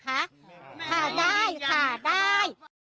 ค่ะได้ค่ะได้